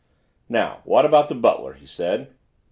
"Now, what about the butler?" he said.